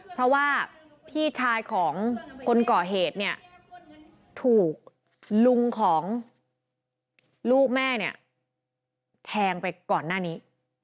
เพราะว่าพี่ชายของคนก่อเหตุเนี่ยถูกลุงของลูกแม่เนี่ยแทงไปก่อนหน้านี้